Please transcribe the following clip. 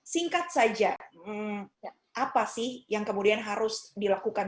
singkat saja apa sih yang kemudian harus dilakukan